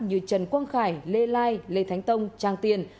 như trần quang khải lê lai lê thánh tông trang tiền